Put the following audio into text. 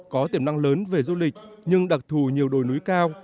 có tiềm năng lớn về du lịch nhưng đặc thù nhiều đồi núi cao